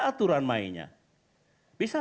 aturan mainnya bisa